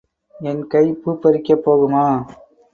என் கை பூப்பறிக்கப் போகுமா?